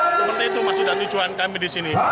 seperti itu maksud dan tujuan kami di sini